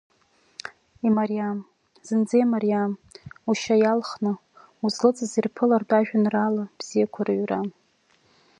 Имариам, зынӡа имариам, Ушьа иалхны, узлыҵыз ирԥылартә ажәеинраала бзиақәа рыҩра.